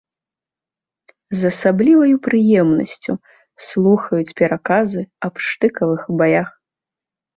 З асабліваю прыемнасцю слухаюць пераказы аб штыкавых баях.